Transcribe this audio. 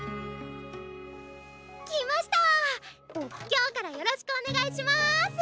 今日からよろしくお願いします！